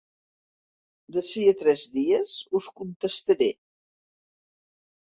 D'ací a tres dies us contestaré.